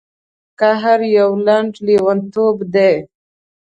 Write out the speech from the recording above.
قهر یو لنډ لیونتوب دی.